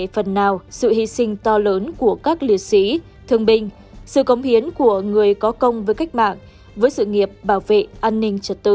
phần nào sự hy sinh to lớn của các liệt sĩ thương binh sự công hiến của người có công với cách mạng với sự nghiệp bảo vệ an ninh trật tự